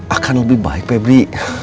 akan lebih baik febri